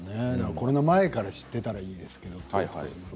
コロナ前から知っていたらいいけどね。